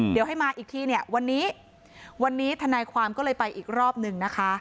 เดี๋ยวให้มาอีกทีเนี่ยวันนี้วันนี้ทนายความก็เลยไปอีกรอบหนึ่งนะคะ